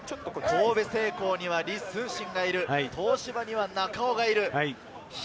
神戸製鋼には李承信がいる、東芝には中尾がいます。